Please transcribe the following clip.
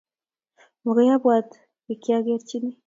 Makoy apwat ye kiagerchi.